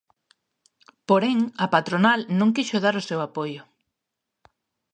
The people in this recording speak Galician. Porén, a patronal non quixo dar o seu apoio.